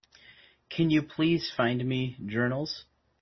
Can you please find me, Journals?